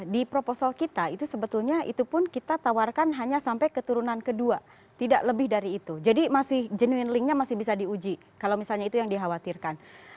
di proposal kita itu sebetulnya itu pun kita tawarkan hanya sampai keturunan kedua tidak lebih dari itu jadi masih genuine linknya masih bisa diuji kalau misalnya itu yang dikhawatirkan